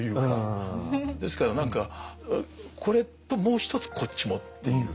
ですから何かこれともう一つこっちもっていう。